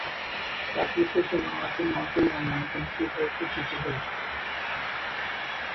তার কৃতিত্বের জন্য, মাঝি 'মাউন্টেন ম্যান' নামে জনপ্রিয়ভাবে পরিচিত হয়ে ওঠেন।